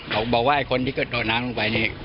บอกว่าไอ้คนที่กระโดดน้ำลงไปนี่